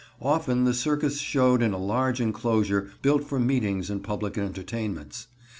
Often the circus showed in a large inclosure built for meetings and public entertainments.